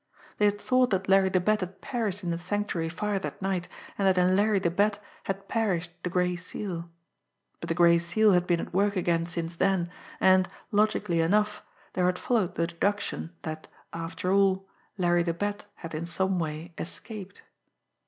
They had thought that Larry the Bat had perished in the Sanctuary fire that night, and that in Larry the Bat had perished the Gray Seal. But the Gray Seal had been at work again since then; and, logically enough, there had followed the deduction that, after all, Larry the Bat had in some way escaped.